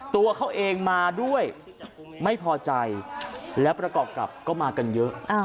ตัวเขาเองมาด้วยไม่พอใจแล้วประกอบกับก็มากันเยอะ